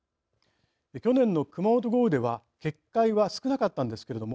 去年の熊本豪雨では決壊は少なかったんですけども。